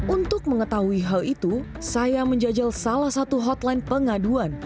untuk mengetahui hal itu saya menjajal salah satu hotline pengaduan